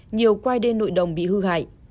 nhiều quai đê nội đồng bị hư hại